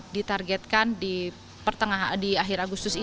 ditargetkan di akhir agustus ini